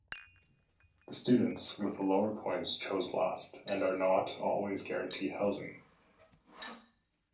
The students with the lower points choose last and are not always guaranteed housing.